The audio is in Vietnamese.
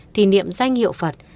thì niệm danh hiệu phật